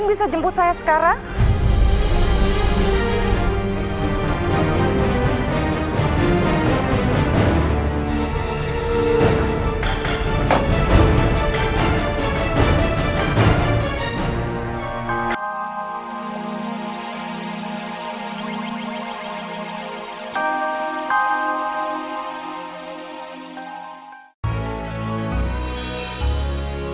hei di beberapa hari makasih ya